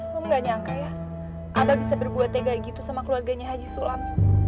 kamu gak nyangka ya anda bisa berbuatnya kayak gitu sama keluarganya haji sulam